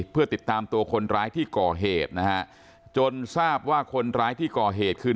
เพื่อติดตามตัวคนร้ายที่ก่อเหตุนะฮะจนทราบว่าคนร้ายที่ก่อเหตุคือ